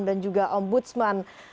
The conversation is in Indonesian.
dan juga ombudsman